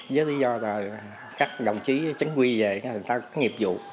với lý do là các đồng chí chính quy về người ta có nghiệp vụ